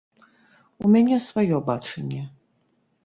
У мяне сваё бачанне.